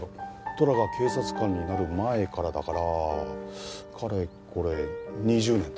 トラが警察官になる前からだからかれこれ２０年とか？